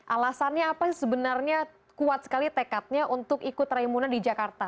alasannya apa sebenarnya kuat sekali tekadnya untuk ikut raimu nasional di jakarta